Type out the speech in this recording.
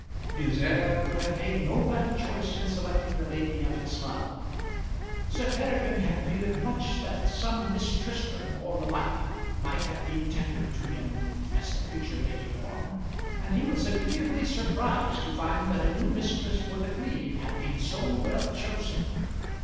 His heir could have made no better choice in selecting the lady of his love. Sir Peregrine had feared much that some Miss Tristram or the like might have been tendered to him as the future Lady Orme, and he was agreeably surprised to find that a new mistress for The Cleeve had been so well chosen.